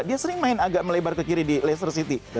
dia sering main agak melebar ke kiri di leicester city